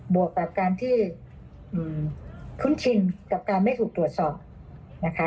วกกับการที่คุ้นชินกับการไม่ถูกตรวจสอบนะคะ